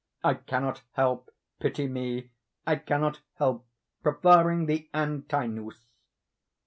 I cannot help—pity me!—I cannot help preferring the Antinous.